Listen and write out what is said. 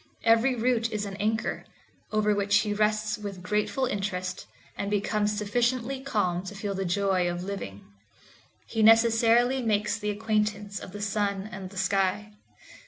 Every root is an anchor, over which he rests with grateful interest, and becomes sufficiently calm to feel the joy of living. He necessarily makes the acquaintance of the sun and the sky.